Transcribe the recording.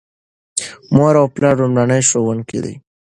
مور او پلار لومړني ښوونکي دي.